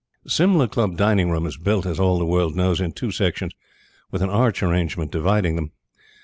Simla Club dining room is built, as all the world knows, in two sections, with an arch arrangement dividing them.